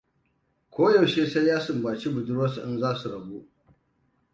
Ko yaushe sai ya sumbaci budurwarsa in za su rabu.